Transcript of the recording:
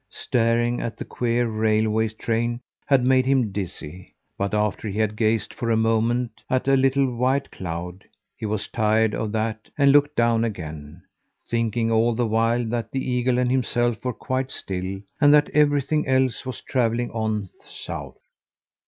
Staring at the queer railway train had made him dizzy; but after he had gazed for a moment at a little white cloud, he was tired of that and looked down again thinking all the while that the eagle and himself were quite still and that everything else was travelling on south.